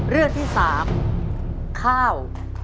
เรื่องที่๓ข้าว